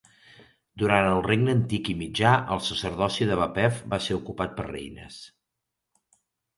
Durant el Regne Antic i Mitjà, el sacerdoci de Bapef va ser ocupat per reines.